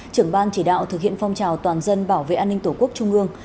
trưởng ban chỉ đạo thực hiện phong trào toàn dân bảo vệ an ninh tổ quốc trung ương